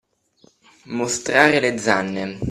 Mostrare le zanne.